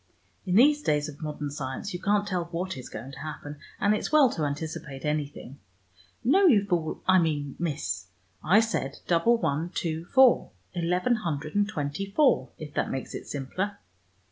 "In these days of modern science you can't tell what is going to happen, and it's well to anticipate anything. No, you fool, I mean Miss, I said double one two four, eleven hundred and twenty four, if that makes it simpler.